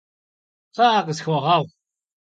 Kxhı'e, khısxueğueğu!